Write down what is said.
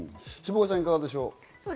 下川さん、いかがでしょうか？